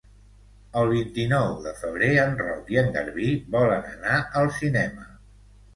El vint-i-nou de febrer en Roc i en Garbí volen anar al cinema.